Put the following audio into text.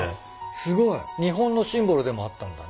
すごい。日本のシンボルでもあったんだな